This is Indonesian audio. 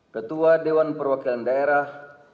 ketua dewan perwakilan daerah